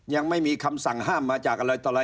ยังไม่มีคำสั่งห้ามมาจากอะไรต่ออะไร